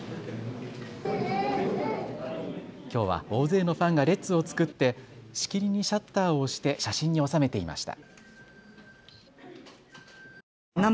きょうは大勢のファンが列を作ってしきりにシャッターを押して写真に収めていました。